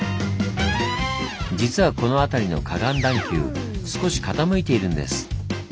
実はこの辺りの河岸段丘少し傾いているんです。